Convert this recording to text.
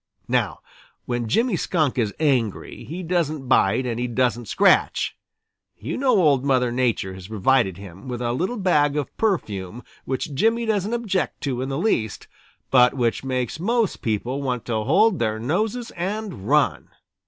Now when Jimmy Skunk is angry, he doesn't bite and he doesn't scratch. You know Old Mother Nature has provided him with a little bag of perfume which Jimmy doesn't object to in the least, but which makes most people want to hold their noses and run.